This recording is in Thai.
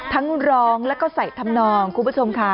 ทั้งร้องแล้วก็ใส่ทำนองคุณผู้ชมค่ะ